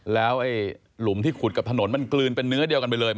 แล้วหลุมที่ขุดกับถนนมันกลืนเป็นเนื้อเดียวกันไปเลย